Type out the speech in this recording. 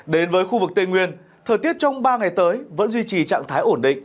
đến với khu vực tây nguyên thời tiết trong ba ngày tới vẫn duy trì trạng thái ổn định